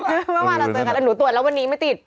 เมื่อวานเราเจอกันแต่หนูตรวจแล้ววันนี้ไม่ติด